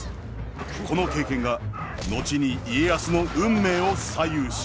この経験が後に家康の運命を左右します。